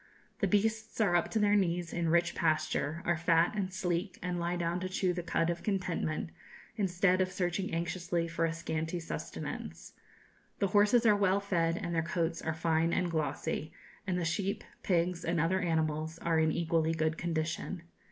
The beasts are up to their knees in rich pasture, are fat and sleek, and lie down to chew the cud of contentment, instead of searching anxiously for a scanty sustenance. The horses are well fed, and their coats are fine and glossy, and the sheep, pigs, and other animals are in equally good condition.